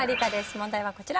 問題はこちら。